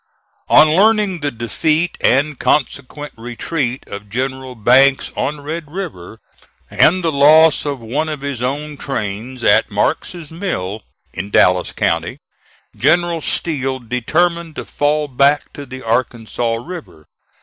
On learning the defeat and consequent retreat of General Banks on Red River, and the loss of one of his own trains at Mark's Mill, in Dallas County, General Steele determined to fall back to the Arkansas River.